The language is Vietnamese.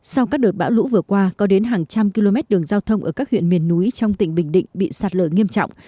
sau các đợt bão lũ vừa qua có đến hàng trăm km đường giao thông ở các huyện miền núi trong tỉnh bình định bị sạt lở nghiêm trọng